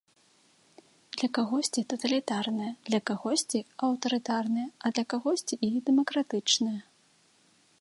Для кагосьці таталітарная, для кагосьці аўтарытарная, а для кагосьці і дэмакратычная.